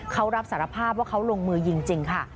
เขารับสารภาพว่าเขาลงมือยิงจริงค่ะ